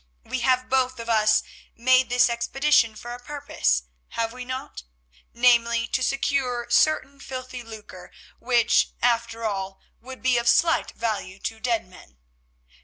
We have both of us made this expedition for a purpose, have we not—namely, to secure certain filthy lucre which, after all, would be of slight value to dead men?